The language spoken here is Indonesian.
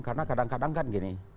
karena kadang kadang kan gini